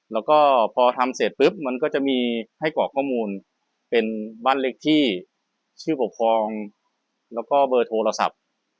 แล้วก็พอทำเสร็จปุ๊บมันก็จะมีให้กรอกข้อมูลเป็นบ้านเล็กที่ชื่อปกครองแล้วก็เบอร์โทรศัพท์